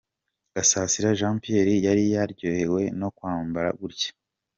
Gasasira Jean Pierre yari yaryohewe no kwambara gutya.